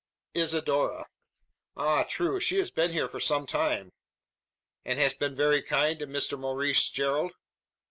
"Isidora!" "Ah; true! She has been here for some time." "And has been very kind to Mr Maurice Gerald?"